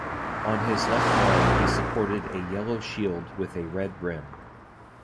On his left arm he supported a yellow shield with a red rim.